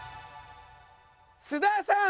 須田さん！